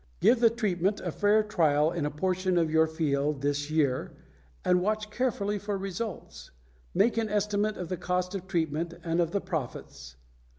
Give the treatment a fair trial in a portion of your field this year and watch carefully for results. Make an estimate of the cost of treatment and of the profits.